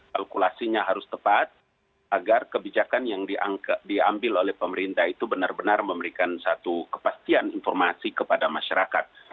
kalkulasinya harus tepat agar kebijakan yang diambil oleh pemerintah itu benar benar memberikan satu kepastian informasi kepada masyarakat